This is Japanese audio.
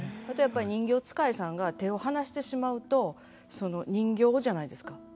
それとやっぱり人形遣いさんが手を離してしまうとその人形じゃないですか。